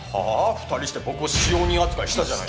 ２人して僕を使用人扱いしたじゃないですか。